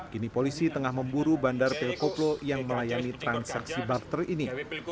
kini polisi tengah memburu bandar pil koplo yang melayani transaksi barter ini